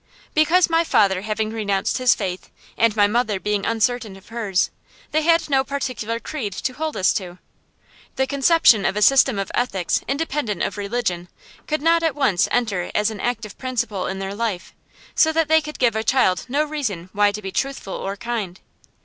Because my father having renounced his faith, and my mother being uncertain of hers, they had no particular creed to hold us to. The conception of a system of ethics independent of religion could not at once enter as an active principle in their life; so that they could give a child no reason why to be truthful or kind.